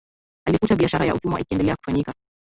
Alikuta biashara ya utumwa ikiendelea kufanyika